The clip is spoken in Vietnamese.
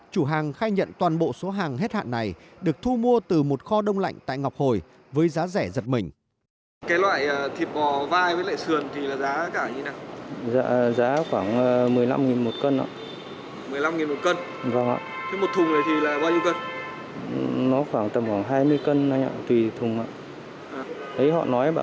chủ hàng khai nhận toàn bộ số hàng hết hạn này được thu mua từ một kho đông lạnh tại ngọc hồi với giá rẻ giật mình